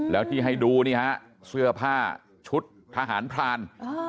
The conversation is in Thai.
แล้วที่ให้ดูนี่ฮะเสื้อผ้าชุดทหารพราน